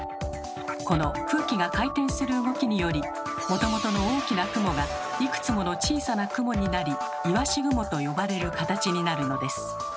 この空気が回転する動きによりもともとの大きな雲がいくつもの小さな雲になり「いわし雲」と呼ばれる形になるのです。